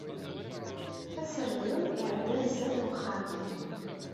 Aserdun iɛedda-d sdat n wexam-iw.